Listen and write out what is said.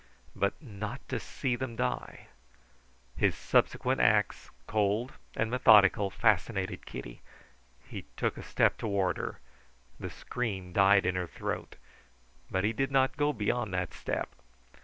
But not to see them die! His subsequent acts, cold and methodical, fascinated Kitty. He took a step toward her. The scream died in her throat. But he did not go beyond that step.